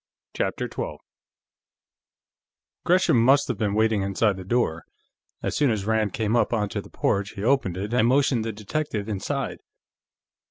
CHAPTER 12 Gresham must have been waiting inside the door; as soon as Rand came up onto the porch, he opened it, and motioned the detective inside.